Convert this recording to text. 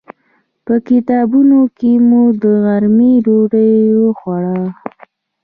په کتابتون کې مو د غرمې ډوډۍ وخوړه.